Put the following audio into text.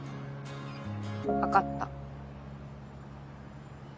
分かった。